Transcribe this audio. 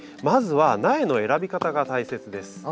まずは苗の選び方が大切です。